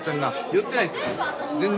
酔ってないっすよ。